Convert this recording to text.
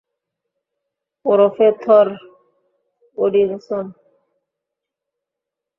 ওরফে Thor Odinson.